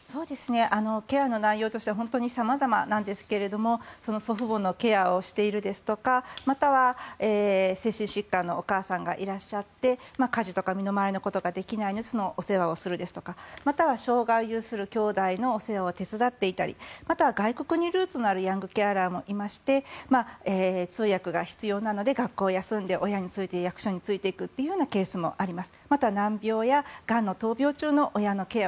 ケアの内容としては本当に様々なんですが祖父母のケアをしているですとかまたは精神疾患のお母さんがいらっしゃって家事とか身の回りのことができないのでそのお世話をするですとかまたは障害を有するきょうだいのお世話を手伝っていたりまた外国にルーツのあるヤングケアラーもいまして通訳が必要なので親についていって役所に行くといったケースもあります。